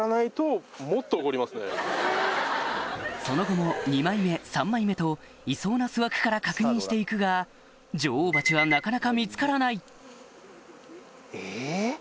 その後も２枚目３枚目といそうな巣枠から確認して行くが女王蜂はなかなか見つからないえ？